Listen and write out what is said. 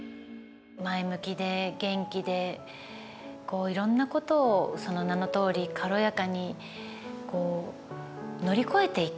前向きで元気でいろんなことをその名のとおり軽やかにこう乗り越えていく。